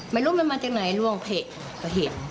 ไม่รู้มันมาจากไหนล่วงก็เห็น